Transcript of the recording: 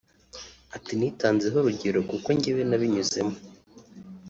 Ati “Nitanzeho urugero kuko njyewe nabinyuzemo